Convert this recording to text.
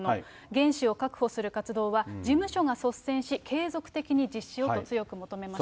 原資を確保する活動は事務所が率先し、継続的に実施をと強く求めました。